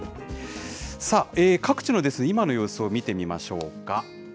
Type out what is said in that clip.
さあ、各地の今の様子を見てみましょうか。